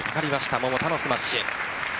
桃田のスマッシュ。